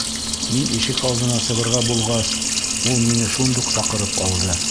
Мин ишек алдына сығырға булғас, ул мине шундуҡ саҡырып алды.